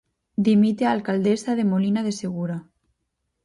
Dimite a alcaldesa de Molina de Segura.